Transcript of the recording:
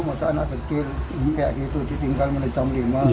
masa anak kecil kayak gitu ditinggal mulai jam lima